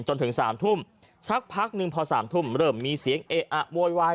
จนถึง๓ทุ่มสักพักหนึ่งพอสามทุ่มเริ่มมีเสียงเอะอะโวยวาย